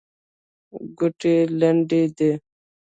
ګوتې لنډې دي.